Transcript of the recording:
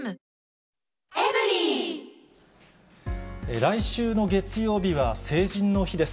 来週の月曜日は成人の日です。